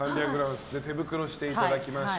手袋していただきまして。